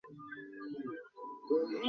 তিনি নাস্তিক ও যুক্তিবাদী হয়ে ওঠেন।